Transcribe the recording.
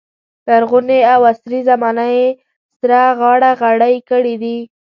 لرغونې او عصري زمانه یې سره غاړه غړۍ کړې دي.